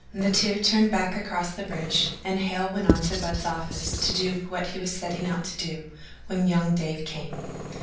The two turned back across the bridge and Hale went on to Budd's office to do what he was setting out to do when young Dave came.